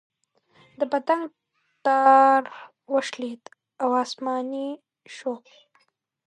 د پتنګ تار وشلېد او اسماني شو.